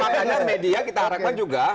karena media kita harapkan juga